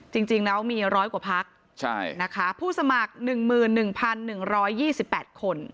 จริงแล้วมี๑๐๐กว่าพักผู้สมัคร๑๑๑๒๘คน